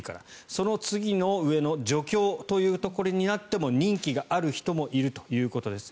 その次の上の助教というところになっても任期がある人もいるということです。